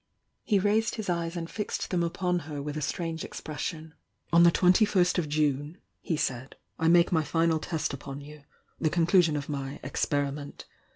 He raised his eyes and fixed them upon her with a strange expression. "On the twenty first of June," he said, "I make my final test upon you — the conclusion of my 'ex periment.'